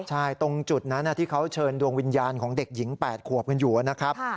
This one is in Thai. ใช่ตรงจุดนั้นที่เขาเชิญดวงวิญญาณของเด็กหญิง๘ขวบกันอยู่นะครับ